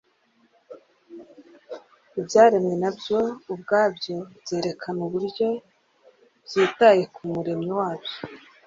Ibyaremwe na byo ubwabyo byerekanaga uburyo byitaye ku Muremyi wabyo